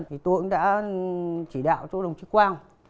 thì tôi cũng đã chỉ đạo cho đồng chí quang